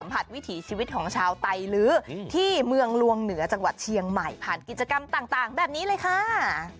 ผัดวิถีชีวิตของชาวไตลื้อที่เมืองลวงเหนือจังหวัดเชียงใหม่ผ่านกิจกรรมต่างแบบนี้เลยค่ะ